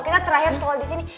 kita terakhir sekolah di sini